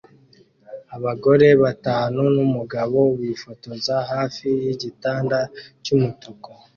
Abagore batanu numugabo bifotoza hafi yigitanda cyumutuku